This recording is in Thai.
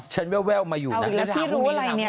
มึงถามหน่อย